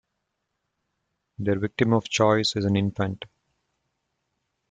Their victim of choice is an infant.